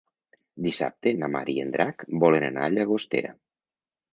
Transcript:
Dissabte na Mar i en Drac volen anar a Llagostera.